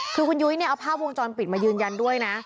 คือคุณยุ้ยเนี่ยเอาภาพวงจรปิดมายืนยันด้วยนะ